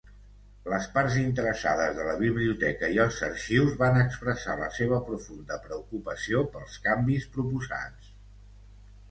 Les parts interessades de la Biblioteca i els Arxius van expressar la seva profunda preocupació pels canvis proposats.